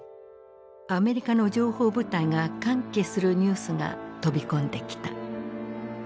アメリカの情報部隊が歓喜するニュースが飛び込んできた。